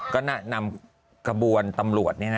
ก็นำขบวนตำรวจ